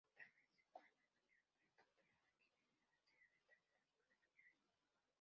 Actualmente se encuentra estudiando el Doctorado en Ingeniería Industrial en el Tecnológico de Monterrey.